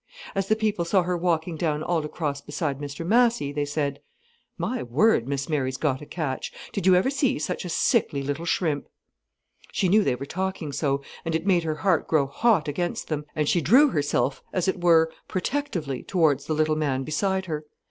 As the people saw her walking down Aldecross beside Mr Massy, they said: "My word, Miss Mary's got a catch. Did ever you see such a sickly little shrimp!" She knew they were talking so, and it made her heart grow hot against them, and she drew herself as it were protectively towards the little man beside her.